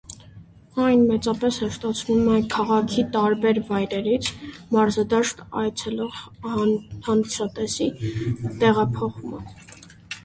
Այն մեծապես հեշտացնում է քաղաքի տարբեր վայրերից մարզադաշտ այցելող հանդիսատեսի տեղափոխումը։